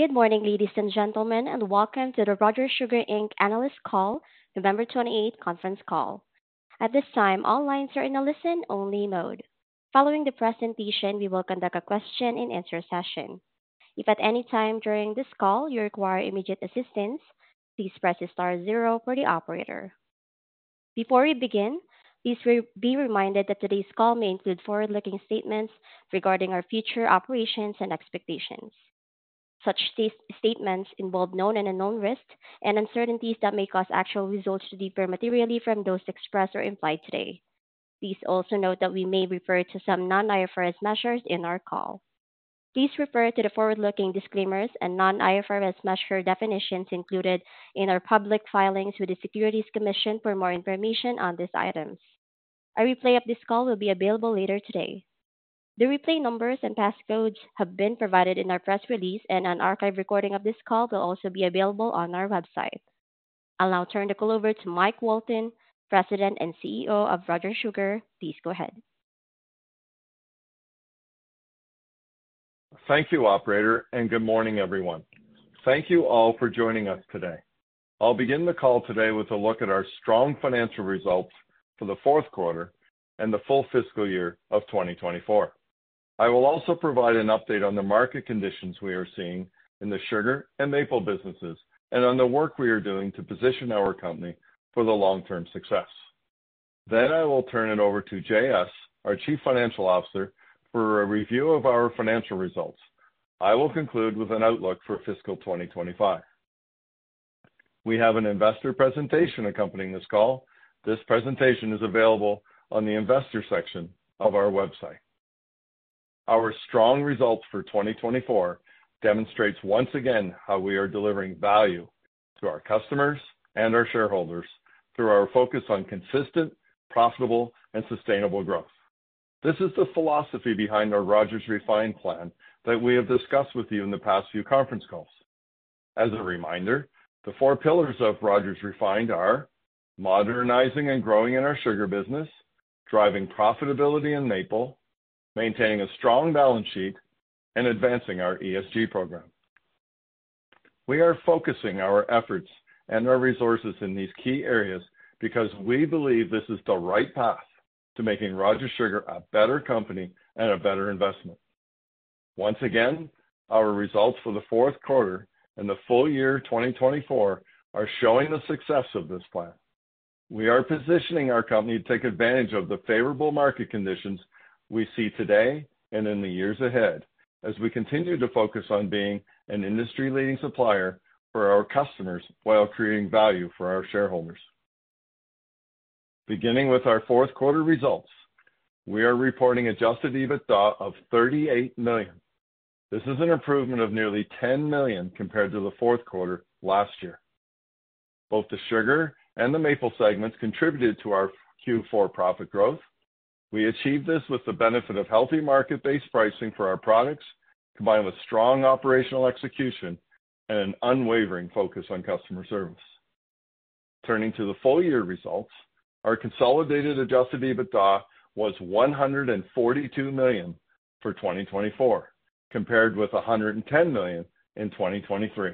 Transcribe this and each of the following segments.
Good morning, ladies and gentlemen, and welcome to the Rogers Sugar Inc. Analyst Call, November 28 Conference Call. At this time, all lines are in a listen-only mode. Following the presentation, we will conduct a question-and-answer session. If at any time during this call you require immediate assistance, please press the star zero for the operator. Before we begin, please be reminded that today's call may include forward-looking statements regarding our future operations and expectations. Such statements involve known and unknown risks and uncertainties that may cause actual results to differ materially from those expressed or implied today. Please also note that we may refer to some non-IFRS measures in our call. Please refer to the forward-looking disclaimers and non-IFRS measure definitions included in our public filings with the Securities Commission for more information on these items. A replay of this call will be available later today. The replay numbers and passcodes have been provided in our press release, and an archived recording of this call will also be available on our website. I'll now turn the call over to Mike Walton, President and CEO of Rogers Sugar. Please go ahead. Thank you, Operator, and good morning, everyone. Thank you all for joining us today. I'll begin the call today with a look at our strong financial results for the Q4 and the full FY2024. I will also provide an update on the market conditions we are seeing in the sugar and maple businesses and on the work we are doing to position our company for the long-term success. Then I will turn it over to J.S., our Chief Financial Officer, for a review of our financial results. I will conclude with an outlook for FY2025. We have an investor presentation accompanying this call. This presentation is available on the investor section of our website. Our strong results for 2024 demonstrate once again how we are delivering value to our customers and our shareholders through our focus on consistent, profitable, and sustainable growth. This is the philosophy behind our Rogers Refined plan that we have discussed with you in the past few conference calls. As a reminder, the four pillars of Rogers Refined are modernizing and growing in our sugar business, driving profitability in maple, maintaining a strong balance sheet, and advancing our ESG program. We are focusing our efforts and our resources in these key areas because we believe this is the right path to making Rogers Sugar a better company and a better investment. Once again, our results for the Q4 and the full year 2024 are showing the success of this plan. We are positioning our company to take advantage of the favorable market conditions we see today and in the years ahead as we continue to focus on being an industry-leading supplier for our customers while creating value for our shareholders. Beginning with our Q4 results, we are reporting Adjusted EBITDA of 38 million. This is an improvement of nearly 10 million compared to the Q4 last year. Both the sugar and the maple segments contributed to our Q4 profit growth. We achieved this with the benefit of healthy market-based pricing for our products, combined with strong operational execution and an unwavering focus on customer service. Turning to the full year results, our consolidated Adjusted EBITDA was 142 million for 2024, compared with 110 million in 2023.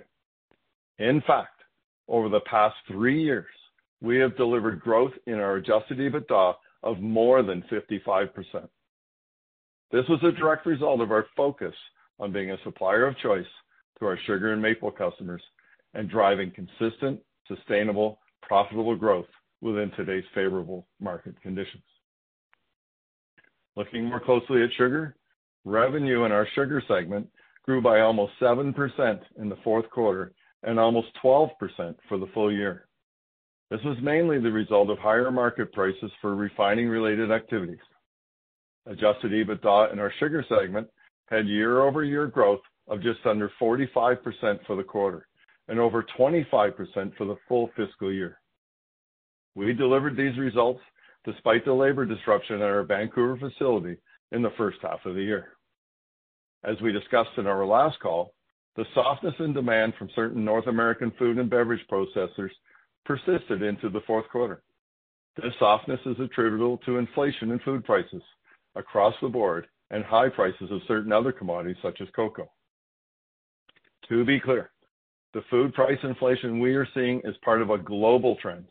In fact, over the past three years, we have delivered growth in our Adjusted EBITDA of more than 55%. This was a direct result of our focus on being a supplier of choice to our sugar and maple customers and driving consistent, sustainable, profitable growth within today's favorable market conditions. Looking more closely at sugar, revenue in our sugar segment grew by almost 7% in the Q4 and almost 12% for the full year. This was mainly the result of higher market prices for refining-related activities. Adjusted EBITDA in our sugar segment had year-over-year growth of just under 45% for the quarter and over 25% for the full fiscal year. We delivered these results despite the labor disruption at our Vancouver facility in the first half of the year. As we discussed in our last call, the softness in demand from certain North American food and beverage processors persisted into the Q4. This softness is attributable to inflation in food prices across the board and high prices of certain other commodities such as cocoa. To be clear, the food price inflation we are seeing is part of a global trend.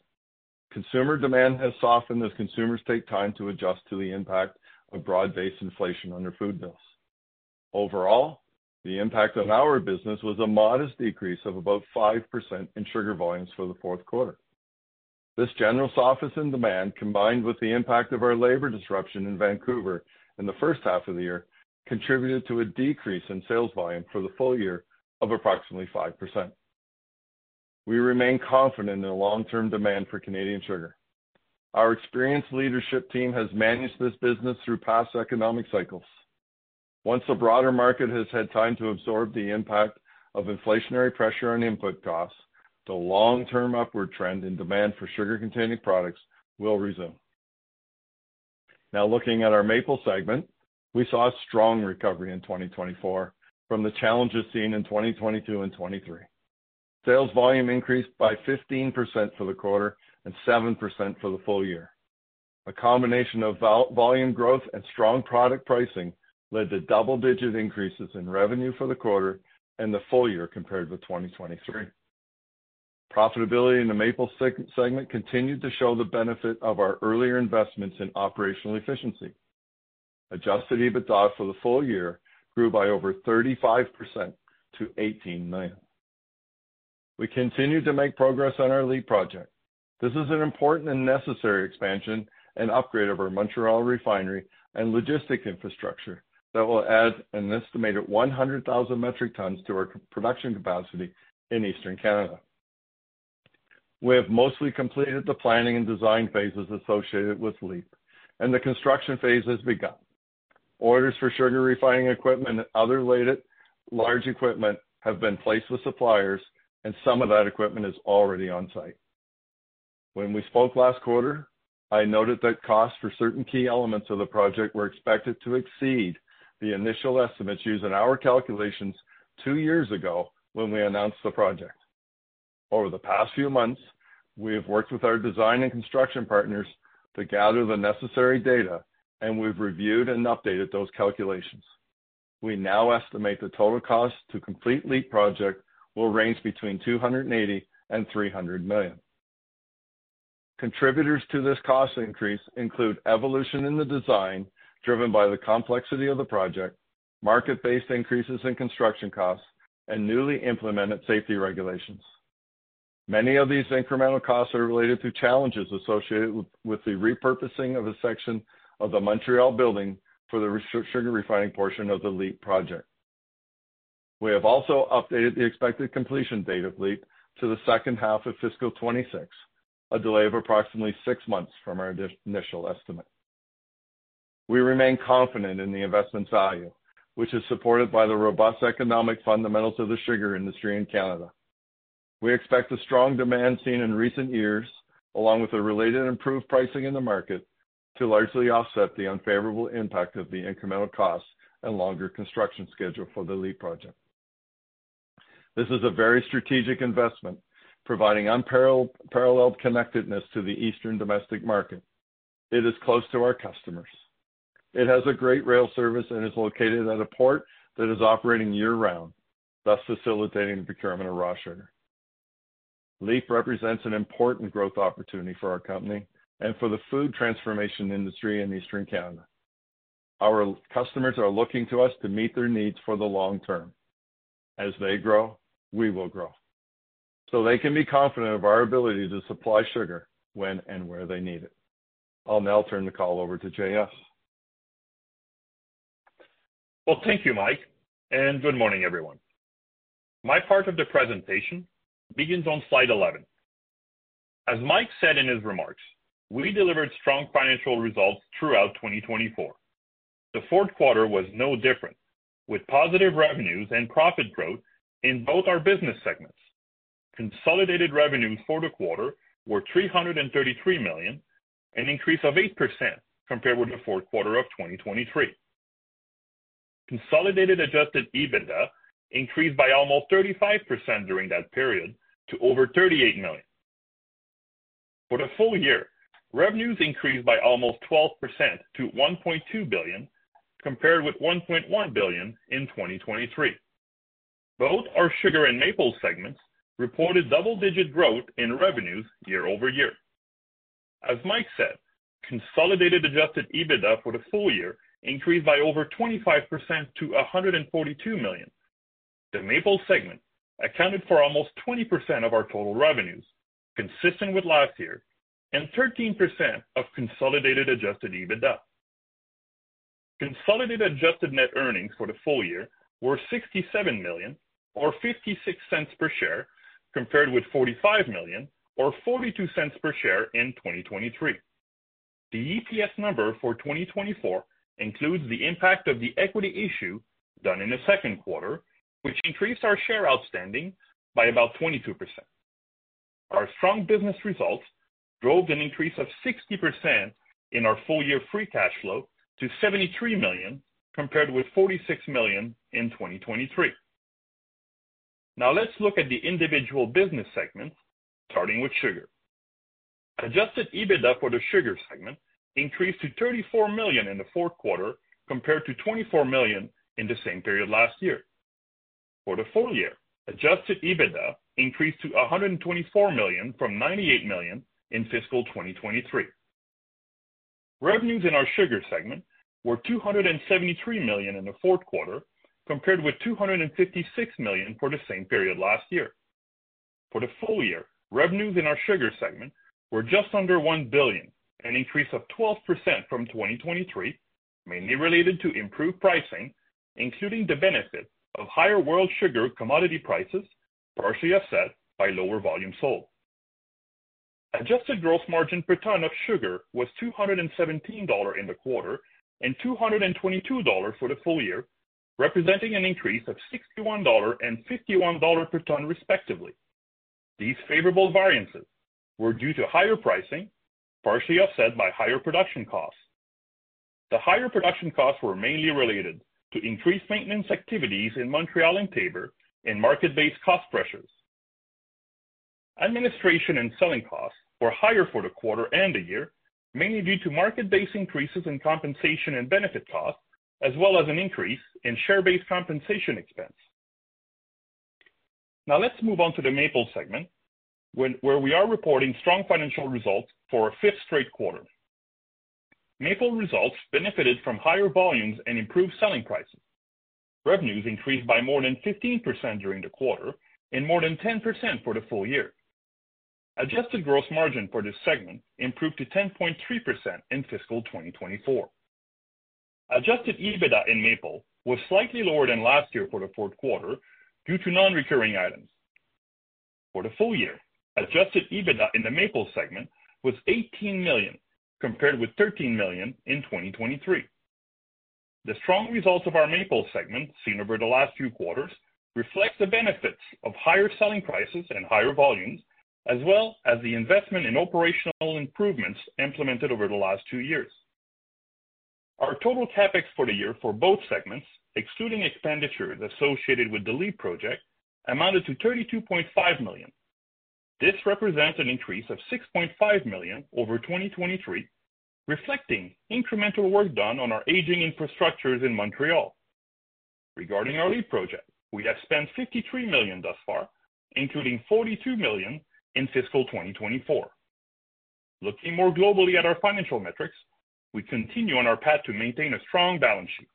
Consumer demand has softened as consumers take time to adjust to the impact of broad-based inflation on their food bills. Overall, the impact on our business was a modest decrease of about 5% in sugar volumes for the Q4. This general softness in demand, combined with the impact of our labor disruption in Vancouver in the first half of the year, contributed to a decrease in sales volume for the full year of approximately 5%. We remain confident in the long-term demand for Canadian sugar. Our experienced leadership team has managed this business through past economic cycles. Once the broader market has had time to absorb the impact of inflationary pressure on input costs, the long-term upward trend in demand for sugar-containing products will resume. Now, looking at our maple segment, we saw a strong recovery in 2024 from the challenges seen in 2022 and 2023. Sales volume increased by 15% for the quarter and 7% for the full year. A combination of volume growth and strong product pricing led to double-digit increases in revenue for the quarter and the full year compared with 2023. Profitability in the maple segment continued to show the benefit of our earlier investments in operational efficiency. Adjusted EBITDA for the full year grew by over 35% to 18 million. We continue to make progress on our LEAP project. This is an important and necessary expansion and upgrade of our Montreal refinery and logistic infrastructure that will add an estimated 100,000 metric tons to our production capacity in Eastern Canada. We have mostly completed the planning and design phases associated with LEAP, and the construction phase has begun. Orders for sugar refining equipment and other related large equipment have been placed with suppliers, and some of that equipment is already on site. When we spoke last quarter, I noted that costs for certain key elements of the project were expected to exceed the initial estimates used in our calculations two years ago when we announced the project. Over the past few months, we have worked with our design and construction partners to gather the necessary data, and we've reviewed and updated those calculations. We now estimate the total cost to complete LEAP project will range between 280 million and 300 million. Contributors to this cost increase include evolution in the design driven by the complexity of the project, market-based increases in construction costs, and newly implemented safety regulations. Many of these incremental costs are related to challenges associated with the repurposing of a section of the Montreal building for the sugar refining portion of the LEAP project. We have also updated the expected completion date of LEAP to the second half of FY2026, a delay of approximately six months from our initial estimate. We remain confident in the investment value, which is supported by the robust economic fundamentals of the sugar industry in Canada. We expect the strong demand seen in recent years, along with the related improved pricing in the market, to largely offset the unfavorable impact of the incremental costs and longer construction schedule for the LEAP project. This is a very strategic investment, providing unparalleled connectedness to the Eastern domestic market. It is close to our customers. It has a great rail service and is located at a port that is operating year-round, thus facilitating the procurement of raw sugar. LEAP represents an important growth opportunity for our company and for the food transformation industry in Eastern Canada. Our customers are looking to us to meet their needs for the long term. As they grow, we will grow, so they can be confident of our ability to supply sugar when and where they need it. I'll now turn the call over to J.S. Thank you, Mike, and good morning, everyone. My part of the presentation begins on slide 11. As Mike said in his remarks, we delivered strong financial results throughout 2024. The Q4 was no different, with positive revenues and profit growth in both our business segments. Consolidated revenues for the quarter were 333 million, an increase of 8% compared with the Q4 of 2023. Consolidated adjusted EBITDA increased by almost 35% during that period to over 38 million. For the full year, revenues increased by almost 12% to 1.2 billion compared with 1.1 billion in 2023. Both our sugar and maple segments reported double-digit growth in revenues year-over-year. As Mike said, consolidated adjusted EBITDA for the full year increased by over 25% to 142 million. The maple segment accounted for almost 20% of our total revenues, consistent with last year, and 13% of consolidated adjusted EBITDA. Consolidated adjusted net earnings for the full year were 67 million, or 0.56 per share, compared with 45 million, or 0.42 per share in 2023. The EPS number for 2024 includes the impact of the equity issue done in the Q2, which increased our shares outstanding by about 22%. Our strong business results drove an increase of 60% in our full-year free cash flow to 73 million compared with 46 million in 2023. Now, let's look at the individual business segments, starting with sugar. Adjusted EBITDA for the sugar segment increased to 34 million in the Q4 compared to 24 million in the same period last year. For the full year, adjusted EBITDA increased to 124 million from 98 million in FY2023. Revenues in our sugar segment were 273 million in the Q4 compared with 256 million for the same period last year. For the full year, revenues in our sugar segment were just under 1 billion, an increase of 12% from 2023, mainly related to improved pricing, including the benefit of higher world sugar commodity prices partially offset by lower volume sold. Adjusted gross margin per ton of sugar was 217 dollars in the quarter and 222 dollars for the full year, representing an increase of 61 dollar and 51 dollar per ton, respectively. These favorable variances were due to higher pricing, partially offset by higher production costs. The higher production costs were mainly related to increased maintenance activities in Montreal and Taber and market-based cost pressures. Administration and selling costs were higher for the quarter and the year, mainly due to market-based increases in compensation and benefit costs, as well as an increase in share-based compensation expense. Now, let's move on to the maple segment, where we are reporting strong financial results for our fifth straight quarter. Maple results benefited from higher volumes and improved selling prices. Revenues increased by more than 15% during the quarter and more than 10% for the full year. Adjusted gross margin for this segment improved to 10.3% in FY2024. Adjusted EBITDA in maple was slightly lower than last year for the Q4 due to non-recurring items. For the full year, adjusted EBITDA in the maple segment was 18 million compared with 13 million in 2023. The strong results of our maple segment seen over the last few quarters reflect the benefits of higher selling prices and higher volumes, as well as the investment in operational improvements implemented over the last two years. Our total CapEx for the year for both segments, excluding expenditures associated with the LEAP project, amounted to 32.5 million. This represents an increase of 6.5 million over 2023, reflecting incremental work done on our aging infrastructures in Montreal. Regarding our LEAP project, we have spent 53 million thus far, including 42 million in FY2024. Looking more globally at our financial metrics, we continue on our path to maintain a strong balance sheet.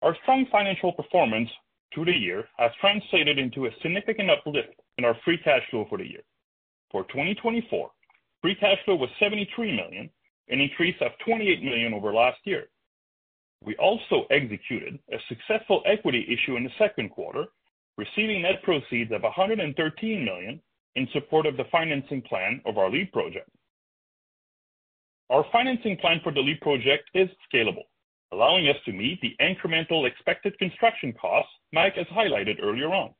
Our strong financial performance through the year has translated into a significant uplift in our free cash flow for the year. For 2024, free cash flow was 73 million, an increase of 28 million over last year. We also executed a successful equity issue in the Q2, receiving net proceeds of 113 million in support of the financing plan of our LEAP project. Our financing plan for the LEAP project is scalable, allowing us to meet the incremental expected construction costs Mike has highlighted earlier on.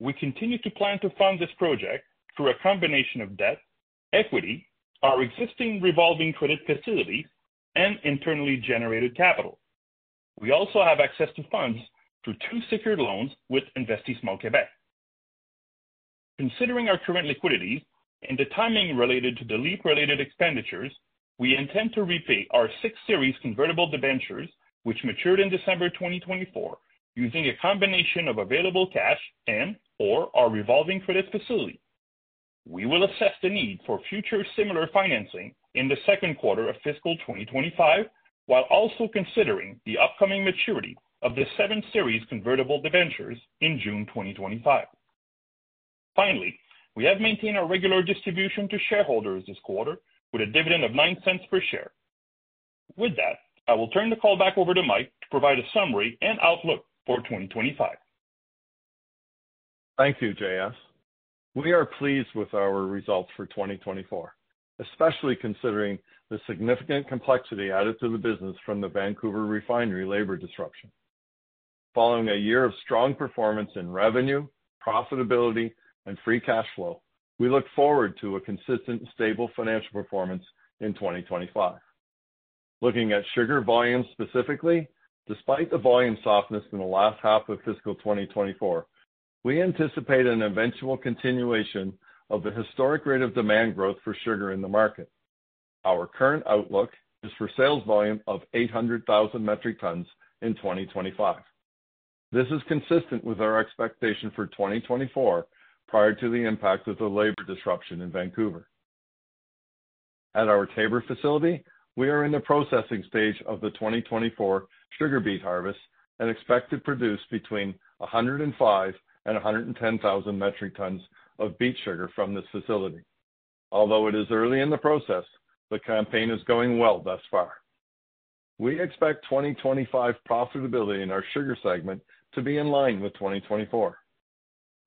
We continue to plan to fund this project through a combination of debt, equity, our existing revolving credit facilities, and internally generated capital. We also have access to funds through two secured loans with Investissement Québec. Considering our current liquidities and the timing related to the LEAP-related expenditures, we intend to repay our Sixth Series convertible debentures, which matured in December 2024, using a combination of available cash and/or our revolving credit facility. We will assess the need for future similar financing in the Q2 of FY2025, while also considering the upcoming maturity of the Seventh Series convertible debentures in June 2025. Finally, we have maintained our regular distribution to shareholders this quarter with a dividend of 0.09 per share. With that, I will turn the call back over to Mike to provide a summary and outlook for 2025. Thank you, J.S. We are pleased with our results for 2024, especially considering the significant complexity added to the business from the Vancouver refinery labor disruption. Following a year of strong performance in revenue, profitability, and free cash flow, we look forward to a consistent and stable financial performance in 2025. Looking at sugar volumes specifically, despite the volume softness in the last half of FY2024, we anticipate an eventual continuation of the historic rate of demand growth for sugar in the market. Our current outlook is for sales volume of 800,000 metric tons in 2025. This is consistent with our expectation for 2024 prior to the impact of the labor disruption in Vancouver. At our Taber facility, we are in the processing stage of the 2024 sugar beet harvest and expect to produce between 105,000 and 110,000 metric tons of beet sugar from this facility. Although it is early in the process, the campaign is going well thus far. We expect 2025 profitability in our sugar segment to be in line with 2024.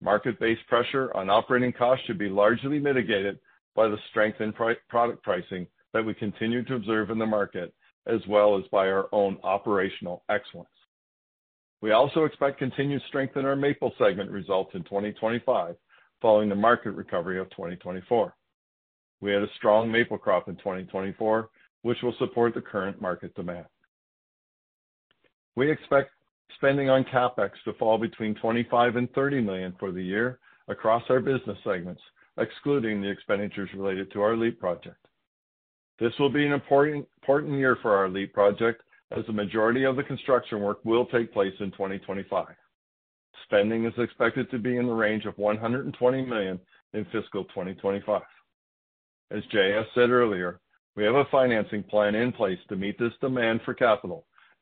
Market-based pressure on operating costs should be largely mitigated by the strength in product pricing that we continue to observe in the market, as well as by our own operational excellence. We also expect continued strength in our maple segment results in 2025, following the market recovery of 2024. We had a strong maple crop in 2024, which will support the current market demand. We expect spending on CapEx to fall between 25 million and 30 million for the year across our business segments, excluding the expenditures related to our LEAP project. This will be an important year for our LEAP project, as the majority of the construction work will take place in 2025. Spending is expected to be in the range of 120 million in FY2025. As J.S. said earlier, we have a financing plan in place to meet this demand for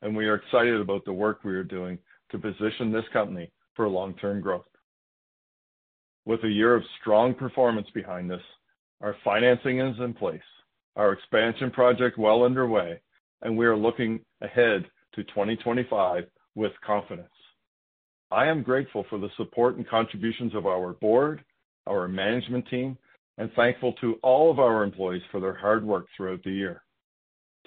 capital, and we are excited about the work we are doing to position this company for long-term growth. With a year of strong performance behind us, our financing is in place, our expansion project well underway, and we are looking ahead to 2025 with confidence. I am grateful for the support and contributions of our board, our management team, and thankful to all of our employees for their hard work throughout the year.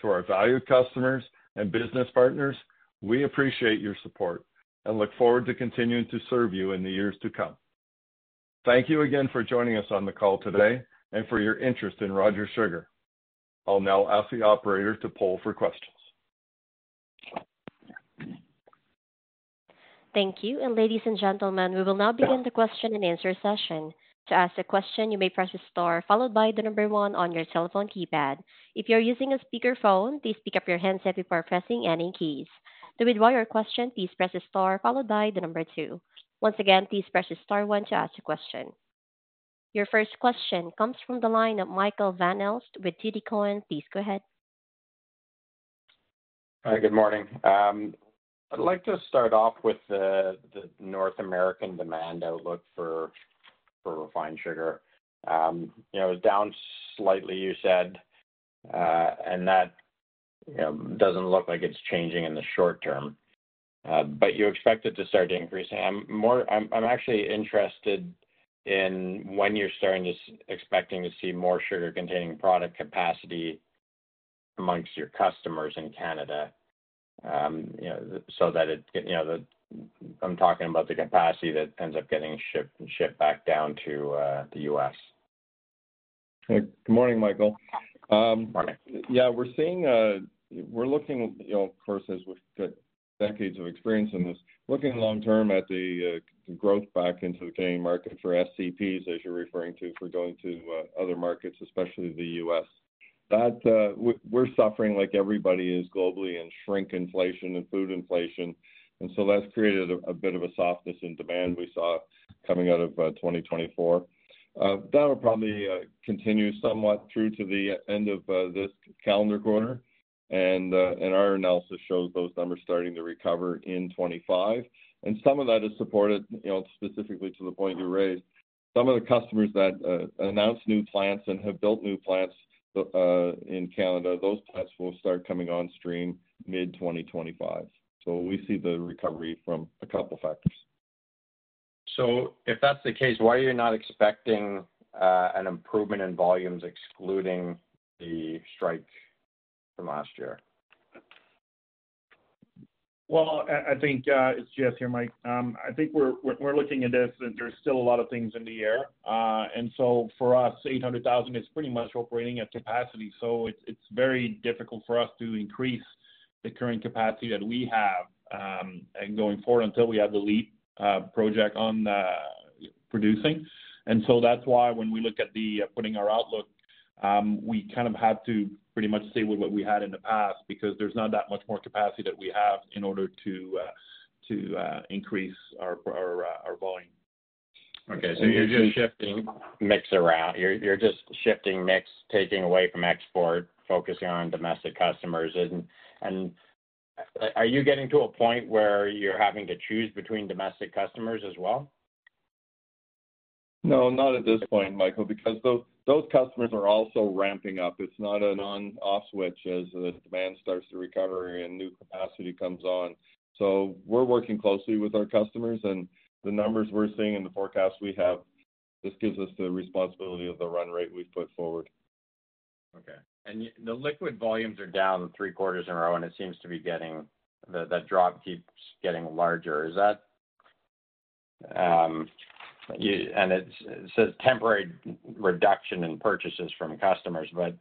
To our valued customers and business partners, we appreciate your support and look forward to continuing to serve you in the years to come. Thank you again for joining us on the call today and for your interest in Rogers Sugar. I'll now ask the operator to poll for questions. Thank you, and ladies and gentlemen, we will now begin the question and answer session. To ask a question, you may press the star followed by the number one on your telephone keypad. If you're using a speakerphone, please pick up your handset before pressing any keys. To withdraw your question, please press the star followed by the number two. Once again, please press the star one to ask a question. Your first question comes from the line of Michael Van Aelst with TD Cowen. Please go ahead. Hi, good morning. I'd like to start off with the North American demand outlook for refined sugar. It was down slightly, you said, and that doesn't look like it's changing in the short term, but you expect it to start to increase. I'm actually interested in when you're starting to expect to see more sugar-containing product capacity amongst your customers in Canada so that I'm talking about the capacity that ends up getting shipped back down to the U.S.? Good morning, Michael. Good morning. Yeah, we're looking, of course, as we've got decades of experience in this, looking long-term at the growth back into the Canadian market for SCPs, as you're referring to, for going to other markets, especially the U.S. We're suffering like everybody is globally in shrinkflation and food inflation, and so that's created a bit of a softness in demand we saw coming out of 2024. That will probably continue somewhat through to the end of this calendar quarter, and our analysis shows those numbers starting to recover in 2025. And some of that is supported specifically to the point you raised. Some of the customers that announced new plants and have built new plants in Canada, those plants will start coming on stream mid-2025. So we see the recovery from a couple of factors. So if that's the case, why are you not expecting an improvement in volumes excluding the strike from last year? I think it's J.S. here, Mike. I think we're looking at this and there's still a lot of things in the air. For us, 800,000 is pretty much operating at capacity. It's very difficult for us to increase the current capacity that we have going forward until we have the LEAP project on producing. That's why when we look at putting our outlook, we kind of have to pretty much stay with what we had in the past because there's not that much more capacity that we have in order to increase our volume. Okay, so you're just shifting mix around. You're just shifting mix, taking away from export, focusing on domestic customers, and are you getting to a point where you're having to choose between domestic customers as well? No, not at this point, Michael, because those customers are also ramping up. It's not an on-off switch as the demand starts to recover and new capacity comes on. So we're working closely with our customers, and the numbers we're seeing in the forecast we have just gives us the responsibility of the run rate we've put forward. Okay, and the liquid volumes are down three quarters in a row, and it seems to be getting that drop keeps getting larger, and it says temporary reduction in purchases from customers, but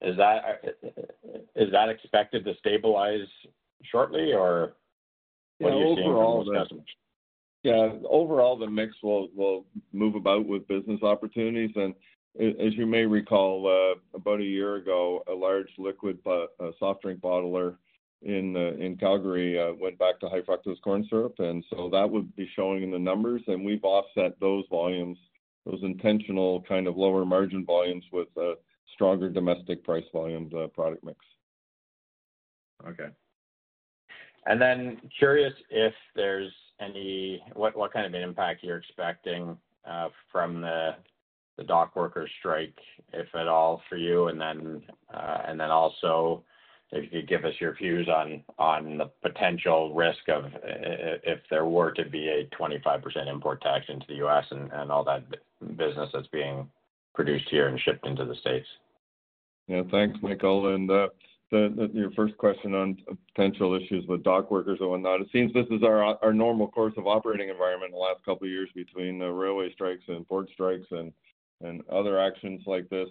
is that expected to stabilize shortly, or what do you see? Yeah, overall, the mix will move about with business opportunities, and as you may recall, about a year ago, a large liquid soft drink bottler in Calgary went back to high-fructose corn syrup, and so that would be showing in the numbers, and we've offset those volumes, those intentional kind of lower margin volumes with stronger domestic price volume product mix. Okay. And then curious if there's any what kind of an impact you're expecting from the dockworker strike, if at all, for you? And then also if you could give us your views on the potential risk of if there were to be a 25% import tax into the U.S. and all that business that's being produced here and shipped into the States. Yeah, thanks, Michael. And your first question on potential issues with dockworkers and whatnot, it seems this is our normal course of operating environment in the last couple of years between the railway strikes and port strikes and other actions like this.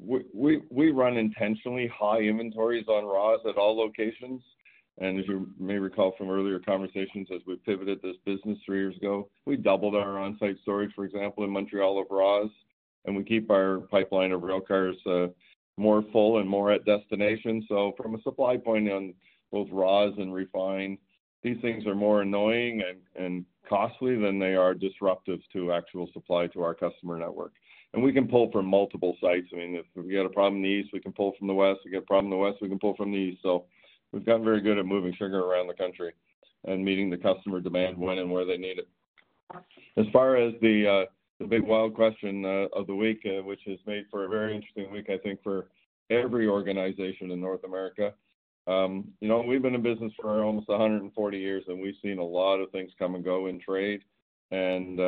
We run intentionally high inventories on raws at all locations. And as you may recall from earlier conversations, as we pivoted this business three years ago, we doubled our on-site storage, for example, in Montreal of raws, and we keep our pipeline of rail cars more full and more at destination. So from a supply point on both raws and refined, these things are more annoying and costly than they are disruptive to actual supply to our customer network. And we can pull from multiple sites. I mean, if we get a problem in the east, we can pull from the west. We get a problem in the west, we can pull from the east. So we've gotten very good at moving sugar around the country and meeting the customer demand when and where they need it. As far as the big wild question of the week, which has made for a very interesting week, I think, for every organization in North America, we've been in business for almost 140 years, and we've seen a lot of things come and go in trade, and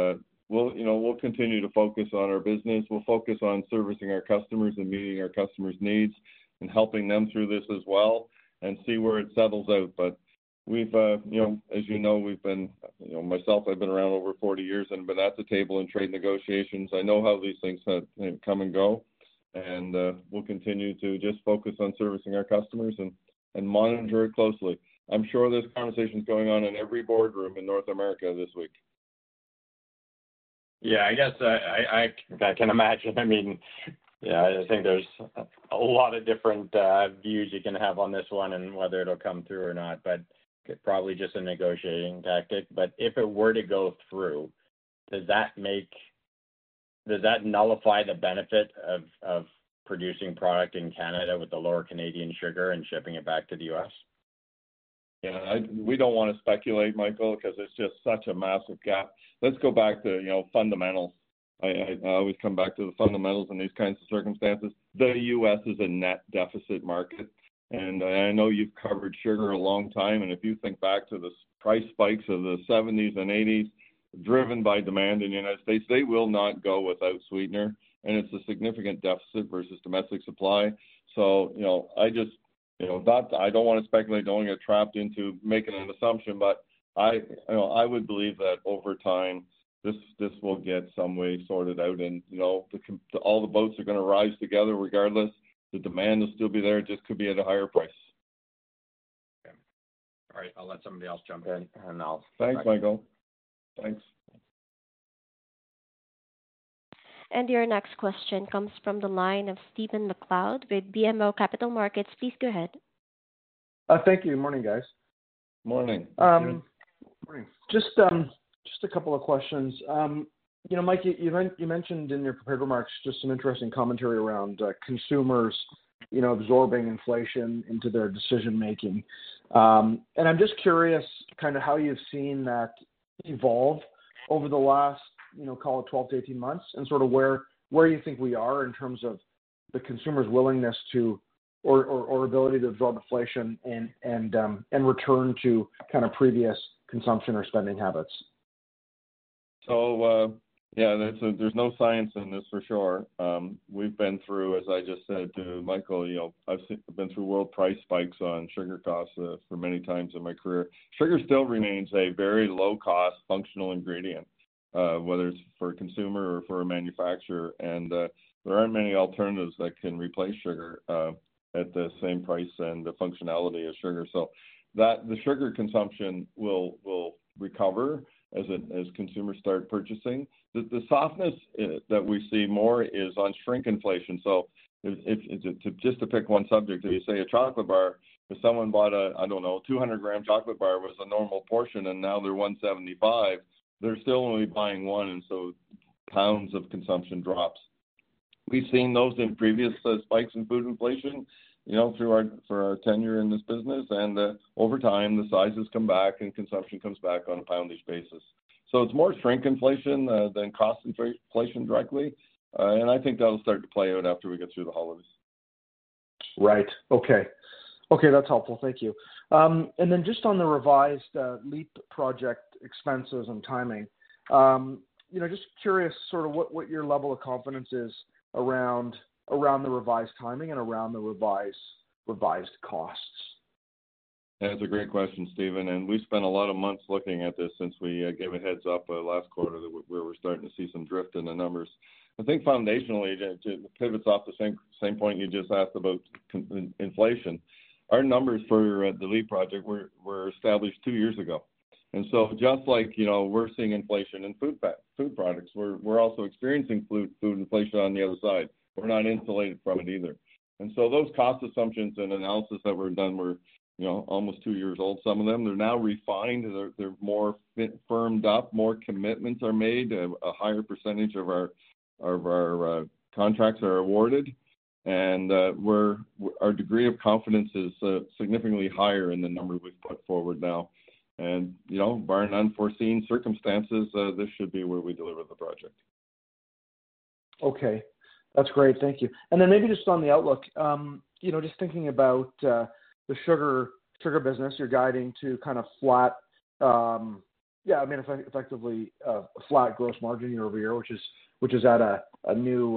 we'll continue to focus on our business. We'll focus on servicing our customers and meeting our customers' needs and helping them through this as well and see where it settles out, but as you know, myself, I've been around over 40 years, and been at the table in trade negotiations. I know how these things come and go, and we'll continue to just focus on servicing our customers and monitor it closely. I'm sure this conversation is going on in every boardroom in North America this week. Yeah, I guess I can imagine. I mean, yeah, I think there's a lot of different views you can have on this one and whether it'll come through or not, but probably just a negotiating tactic. But if it were to go through, does that nullify the benefit of producing product in Canada with the lower Canadian sugar and shipping it back to the U.S.? Yeah, we don't want to speculate, Michael, because it's just such a massive gap. Let's go back to fundamentals. I always come back to the fundamentals in these kinds of circumstances. The U.S. is a net deficit market, and I know you've covered sugar a long time. And if you think back to the price spikes of the 1970s and 1980s driven by demand in the United States, they will not go without sweetener, and it's a significant deficit versus domestic supply. So I just don't want to speculate. Don't want to get trapped into making an assumption, but I would believe that over time, this will get some way sorted out, and all the boats are going to rise together regardless. The demand will still be there. It just could be at a higher price. Okay. All right. I'll let somebody else jump in, and I'll. Thanks, Michael. Thanks. Your next question comes from the line of Stephen MacLeod with BMO Capital Markets. Please go ahead. Thank you. Morning, guys. Morning. Morning. Just a couple of questions. Mike, you mentioned in your prepared remarks just some interesting commentary around consumers absorbing inflation into their decision-making. And I'm just curious kind of how you've seen that evolve over the last, call it, 12 to 18 months, and sort of where you think we are in terms of the consumer's willingness or ability to absorb inflation and return to kind of previous consumption or spending habits. So yeah, there's no science in this for sure. We've been through, as I just said to Michael, I've been through world price spikes on sugar costs many times in my career. Sugar still remains a very low-cost functional ingredient, whether it's for a consumer or for a manufacturer, and there aren't many alternatives that can replace sugar at the same price and the functionality of sugar, so the sugar consumption will recover as consumers start purchasing. The softness that we see more is on shrinkflation. So just to pick one subject, if you say a chocolate bar, if someone bought a—I don't know—200-gram chocolate bar was a normal portion, and now they're 175, they're still only buying one, and so pounds of consumption drops. We've seen those in previous spikes in food inflation through our tenure in this business. And over time, the sizes come back, and consumption comes back on a per-pound basis. So it's more shrinkflation than cost inflation directly. And I think that'll start to play out after we get through the holidays. Right. Okay. Okay, that's helpful. Thank you. And then just on the revised LEAP project expenses and timing, just curious sort of what your level of confidence is around the revised timing and around the revised costs. That's a great question, Steven, and we spent a lot of months looking at this since we gave a heads-up last quarter where we're starting to see some drift in the numbers. I think foundationally, it pivots off the same point you just asked about inflation. Our numbers for the LEAP project were established two years ago, and so just like we're seeing inflation in food products, we're also experiencing food inflation on the other side. We're not insulated from it either, and so those cost assumptions and analysis that were done were almost two years old, some of them. They're now refined. They're more firmed up. More commitments are made. A higher percentage of our contracts are awarded, and our degree of confidence is significantly higher in the number we've put forward now, and bar unforeseen circumstances, this should be where we deliver the project. Okay. That's great. Thank you. And then maybe just on the outlook, just thinking about the sugar business, you're guiding to kind of flat, yeah, I mean, effectively a flat gross margin year-over-year, which is at a new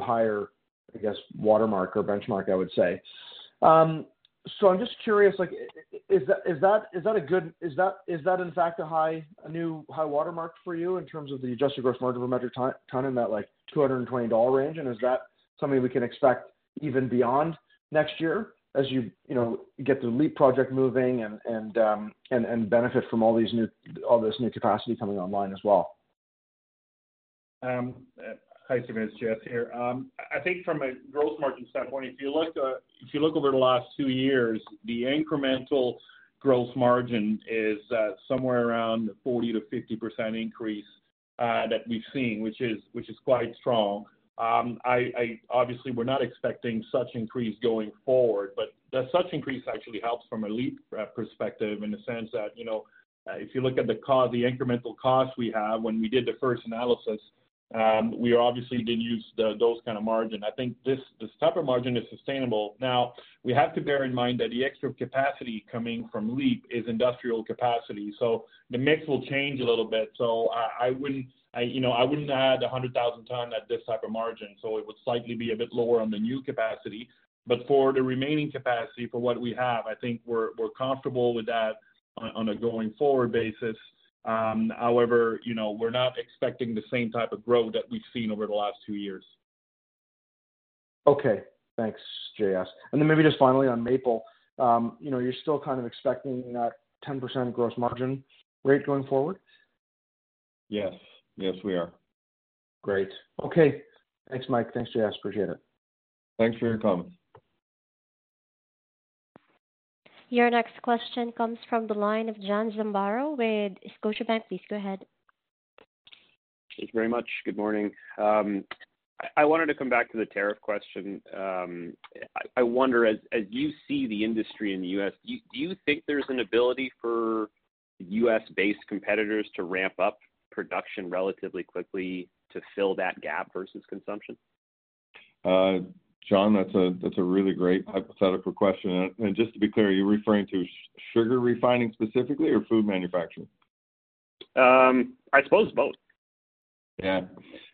higher, I guess, watermark or benchmark, I would say. So I'm just curious, is that, in fact, a new high watermark for you in terms of the adjusted gross margin for measured time in that 220 dollar range? And is that something we can expect even beyond next year as you get the LEAP project moving and benefit from all this new capacity coming online as well? Hi, Steven. It's J.S. here. I think from a gross margin standpoint, if you look over the last two years, the incremental gross margin is somewhere around 40%-50% increase that we've seen, which is quite strong. Obviously, we're not expecting such increase going forward, but such increase actually helps from a LEAP perspective in the sense that if you look at the incremental costs we have when we did the first analysis, we obviously didn't use those kind of margin. I think this type of margin is sustainable. Now, we have to bear in mind that the extra capacity coming from LEAP is industrial capacity. So the mix will change a little bit. So I wouldn't add 100,000 ton at this type of margin. So it would slightly be a bit lower on the new capacity. But for the remaining capacity, for what we have, I think we're comfortable with that on a going-forward basis. However, we're not expecting the same type of growth that we've seen over the last two years. Okay. Thanks, J.S. And then maybe just finally on Maple, you're still kind of expecting that 10% gross margin rate going forward? Yes. Yes, we are. Great. Okay. Thanks, Mike. Thanks, J.S. Appreciate it. Thanks for your comments. Your next question comes from the line of John Zamparo with Scotiabank. Please go ahead. Thank you very much. Good morning. I wanted to come back to the tariff question. I wonder, as you see the industry in the U.S., do you think there's an ability for U.S.-based competitors to ramp up production relatively quickly to fill that gap versus consumption? John, that's a really great hypothetical question. And just to be clear, are you referring to sugar refining specifically or food manufacturing? I suppose both. Yeah.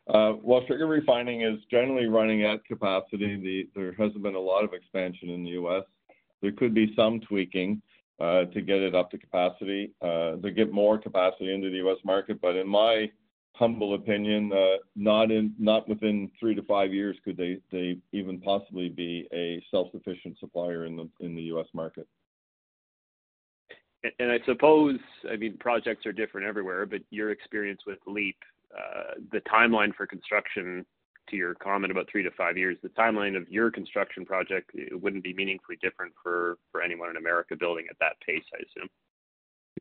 Well, sugar refining is generally running at capacity. There hasn't been a lot of expansion in the U.S. There could be some tweaking to get it up to capacity to get more capacity into the U.S. market. But in my humble opinion, not within three-to-five years could they even possibly be a self-sufficient supplier in the U.S. market? I suppose, I mean, projects are different everywhere, but your experience with LEAP, the timeline for construction, to your comment about three to five years, the timeline of your construction project wouldn't be meaningfully different for anyone in America building at that pace, I assume.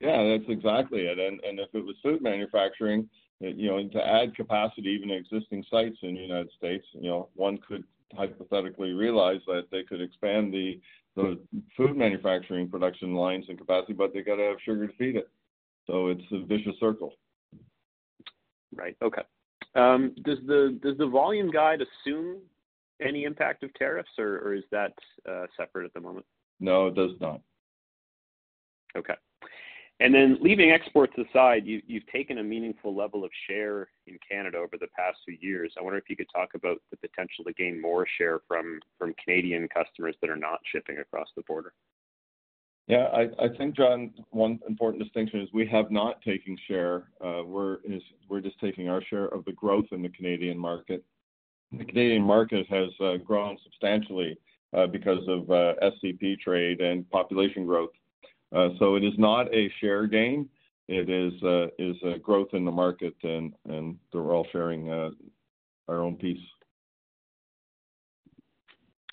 Yeah, that's exactly it. And if it was food manufacturing, to add capacity even to existing sites in the United States, one could hypothetically realize that they could expand the food manufacturing production lines and capacity, but they've got to have sugar to feed it. So it's a vicious circle. Right. Okay. Does the volume guide assume any impact of tariffs, or is that separate at the moment? No, it does not. Okay. And then leaving exports aside, you've taken a meaningful level of share in Canada over the past few years. I wonder if you could talk about the potential to gain more share from Canadian customers that are not shipping across the border? Yeah. I think, John, one important distinction is we have not taken share. We're just taking our share of the growth in the Canadian market. The Canadian market has grown substantially because of SCP trade and population growth. So it is not a share gain. It is a growth in the market, and we're all sharing our own piece.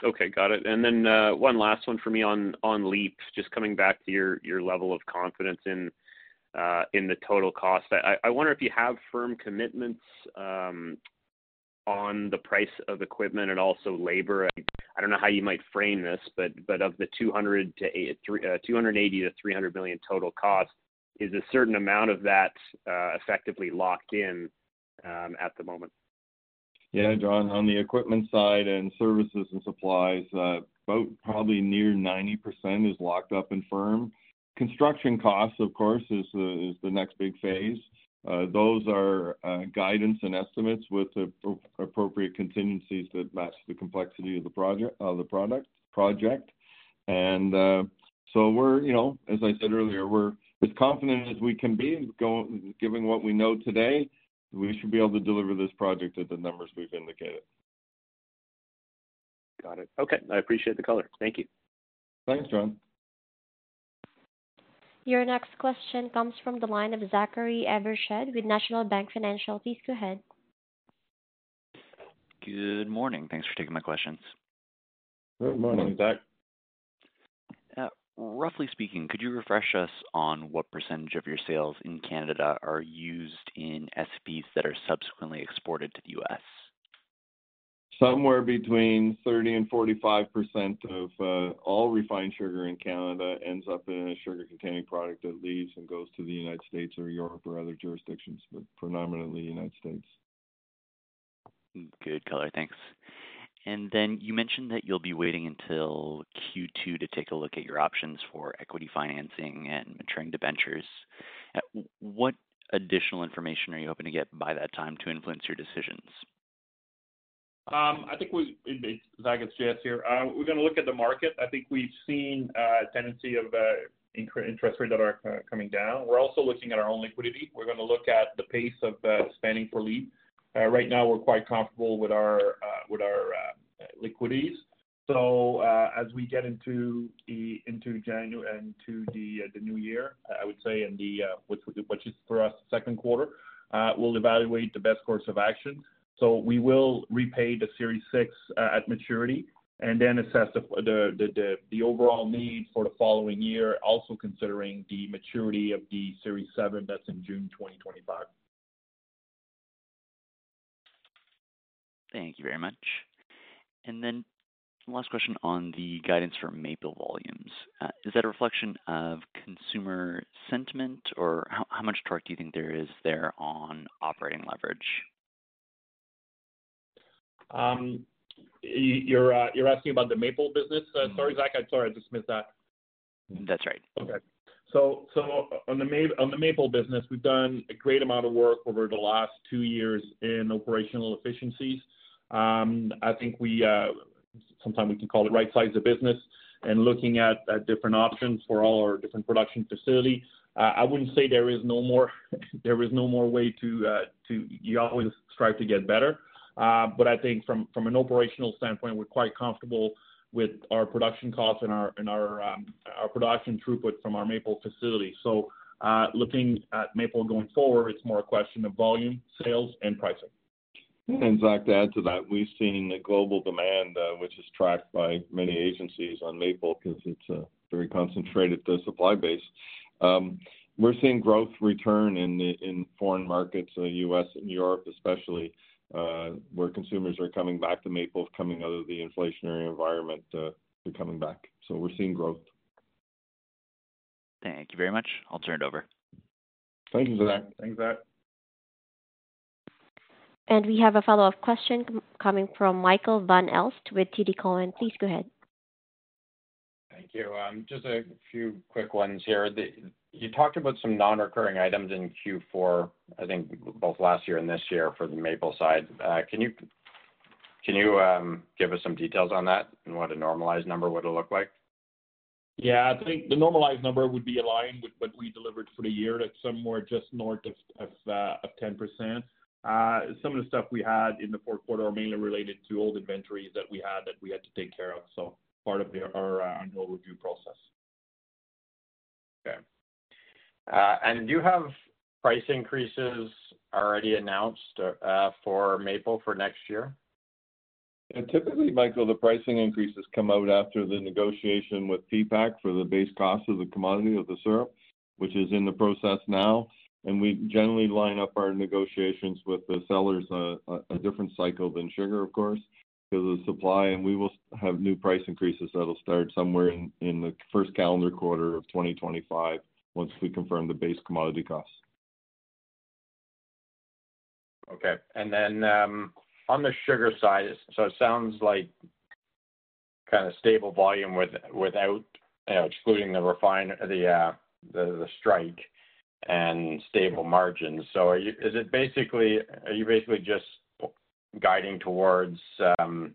Okay. Got it. And then one last one for me on LEAP, just coming back to your level of confidence in the total cost. I wonder if you have firm commitments on the price of equipment and also labor. I don't know how you might frame this, but of the 280 million-300 million total cost, is a certain amount of that effectively locked in at the moment? Yeah, John, on the equipment side and services and supplies, probably near 90% is locked up in firm. Construction costs, of course, is the next big phase. Those are guidance and estimates with appropriate contingencies that match the complexity of the project. And so we're, as I said earlier, as confident as we can be, given what we know today, we should be able to deliver this project at the numbers we've indicated. Got it. Okay. I appreciate the color. Thank you. Thanks, John. Your next question comes from the line of Zachary Evershed with National Bank Financial. Please go ahead. Good morning. Thanks for taking my questions. Good morning, Zach. Roughly speaking, could you refresh us on what percentage of your sales in Canada are used in SCPs that are subsequently exported to the U.S.? Somewhere between 30% and 45% of all refined sugar in Canada ends up in a sugar-containing product that leaves and goes to the United States or Europe or other jurisdictions, but predominantly the United States. Good color. Thanks, and then you mentioned that you'll be waiting until Q2 to take a look at your options for equity financing and maturing debentures. What additional information are you hoping to get by that time to influence your decisions? I think, like, it's J.S. here. We're going to look at the market. I think we've seen a tendency of interest rates that are coming down. We're also looking at our own liquidity. We're going to look at the pace of spending for LEAP. Right now, we're quite comfortable with our liquidities. So as we get into the new year, I would say, which is for us the Q2, we'll evaluate the best course of action. So we will repay the Series 6 at maturity and then assess the overall need for the following year, also considering the maturity of the Series 7 that's in June 2025. Thank you very much. And then last question on the guidance for Maple volumes. Is that a reflection of consumer sentiment, or how much torque do you think there is there on operating leverage? You're asking about the Maple business? Sorry, Zach. I'm sorry. I dismissed that. That's right. Okay. So on the Maple business, we've done a great amount of work over the last two years in operational efficiencies. I think sometimes we can call it right-sized the business and looking at different options for all our different production facilities. I wouldn't say there is no more way to, you always strive to get better. But I think from an operational standpoint, we're quite comfortable with our production costs and our production throughput from our Maple facility. So looking at Maple going forward, it's more a question of volume, sales, and pricing. And Zach, to add to that, we've seen the global demand, which is tracked by many agencies on Maple because it's a very concentrated supply base. We're seeing growth return in foreign markets, U.S. and Europe especially, where consumers are coming back to Maple coming out of the inflationary environment. They're coming back. So we're seeing growth. Thank you very much. I'll turn it over. Thank you, Zach. Thanks, Zach. And we have a follow-up question coming from Michael Van Aelst with TD Cowen. Please go ahead. Thank you. Just a few quick ones here. You talked about some non-recurring items in Q4, I think both last year and this year for the Maple side. Can you give us some details on that and what a normalized number would look like? Yeah. I think the normalized number would be aligned with what we delivered for the year. That's somewhere just north of 10%. Some of the stuff we had in the Q4 are mainly related to old inventories that we had to take care of. So part of our review process. Okay, and do you have price increases already announced for Maple for next year? Typically, Michael, the pricing increases come out after the negotiation with PPAQ for the base cost of the commodity of the syrup, which is in the process now, and we generally line up our negotiations with the sellers a different cycle than sugar, of course, because of the supply, and we will have new price increases that'll start somewhere in the first calendar quarter of 2025 once we confirm the base commodity costs. Okay. And then on the sugar side, so it sounds like kind of stable volume without excluding the strike and stable margins. So are you basically just guiding towards FY2024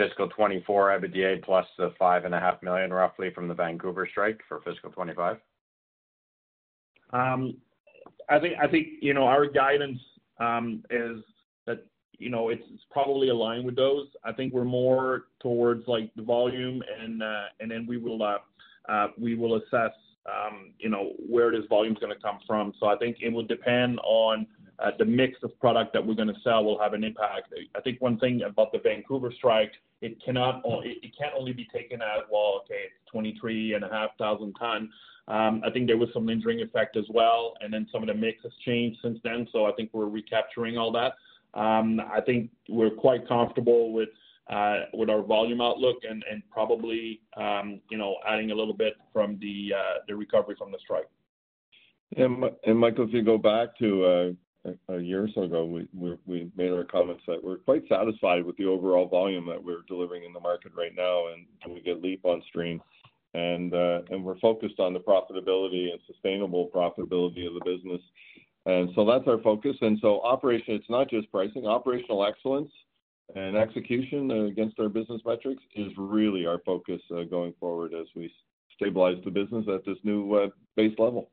EBITDA plus the 5.5 million roughly from the Vancouver strike for FY2025? I think our guidance is that it's probably aligned with those. I think we're more towards the volume, and then we will assess where this volume is going to come from. So I think it will depend on the mix of product that we're going to sell will have an impact. I think one thing about the Vancouver strike, it can't only be taken out while, okay, it's 23.5 thousand tons. I think there was some lingering effect as well. And then some of the mix has changed since then. So I think we're recapturing all that. I think we're quite comfortable with our volume outlook and probably adding a little bit from the recovery from the strike. Michael, if you go back to a year or so ago, we made our comments that we're quite satisfied with the overall volume that we're delivering in the market right now, and we get LEAP on stream. We're focused on the profitability and sustainable profitability of the business. That's our focus. Operation, it's not just pricing. Operational excellence and execution against our business metrics is really our focus going forward as we stabilize the business at this new base level.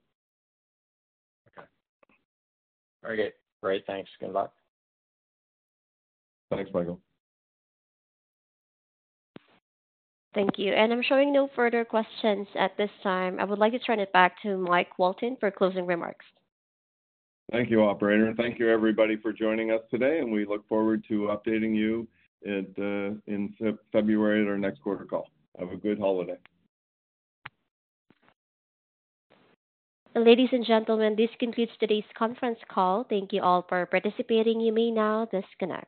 Okay. Very good. Great. Thanks. Good luck. Thanks, Michael. Thank you. And I'm showing no further questions at this time. I would like to turn it back to Mike Walton for closing remarks. Thank you, operator. And thank you, everybody, for joining us today. And we look forward to updating you in February at our next quarter call. Have a good holiday. Ladies and gentlemen, this concludes today's conference call. Thank you all for participating. You may now disconnect.